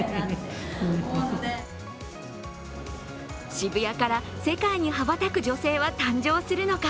渋谷から世界に羽ばたく女性は誕生するのか。